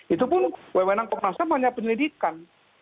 itu pun ww enam komnas ham hanya penelitikan